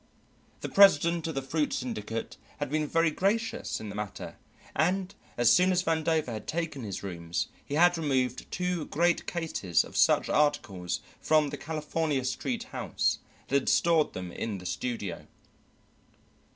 The president of the fruit syndicate had been very gracious in the matter, and as soon as Vandover had taken his rooms he had removed two great cases of such articles from the California Street house and had stored them in the studio.